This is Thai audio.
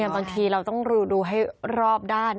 บางทีเราต้องดูให้รอบด้าน